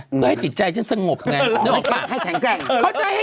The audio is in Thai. ก็ให้สิทธิ์ใจฉันสงบไง